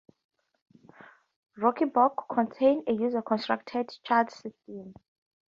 Rokenbok contains a user-constructed chute system.